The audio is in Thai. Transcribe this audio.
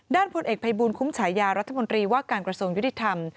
ผลเอกภัยบูลคุ้มฉายารัฐมนตรีว่าการกระทรวงยุติธรรม